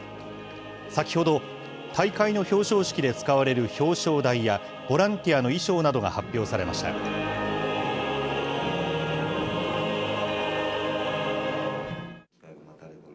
先ほど、大会の表彰式で使われる表彰台や、ボランティアの衣装などが発表されました。